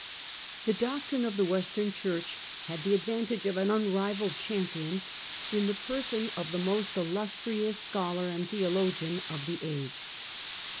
The doctrine of the Western Church had the advantage of an unrivalled champion in the person of the most illus trious scholar and theologian of the age.